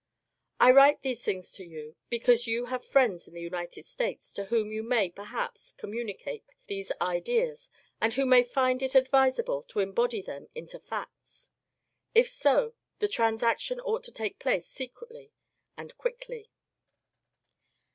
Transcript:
I write these things to you, because you have friends in the United States to whom you may, perhaps, communicate these ideas and who may find it advisable to embody them into facts. If so, the transaction ought to take place secretly and quickly.